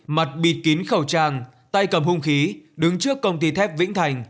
mặt bịt kín khẩu trang tay cầm hung khí đứng trước công ty thép vĩnh thành